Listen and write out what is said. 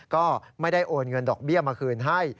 ก็ไม่ได้โอนเงินดอกเบี้ยมาคืนให้